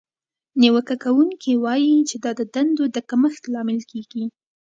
نیوکه کوونکې وایي چې دا د دندو د کمښت لامل کیږي.